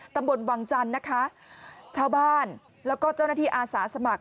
ตำบลวังจันทร์นะคะชาวบ้านแล้วก็เจ้าหน้าที่อาสาสมัคร